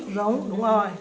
dống đúng rồi